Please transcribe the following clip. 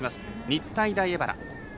日体大荏原。